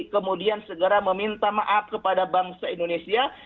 kemudian segera meminta maaf kepada bangsa indonesia